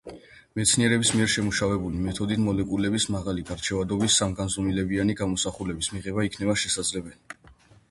მეცნიერების მიერ შემუშავებული მეთოდით, მოლეკულების მაღალი გარჩევადობის, სამგანზომილებიანი გამოსახულების მიღება იქნება შესაძლებელი.